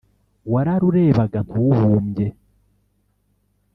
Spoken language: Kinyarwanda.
wararurebaga ntuhumbye